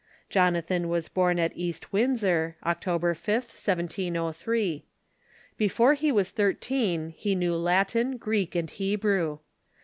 Jonathan was born at East Windsor, October 5th, 1703. Before he was thii teen he knew Latin, Greek, and Hebrew.